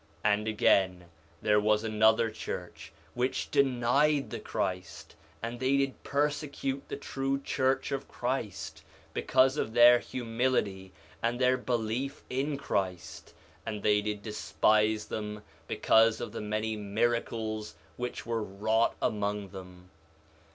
4 Nephi 1:29 And again, there was another church which denied the Christ; and they did persecute the true church of Christ, because of their humility and their belief in Christ; and they did despise them because of the many miracles which were wrought among them.